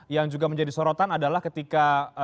yang juga menjadi sorotan adalah ketika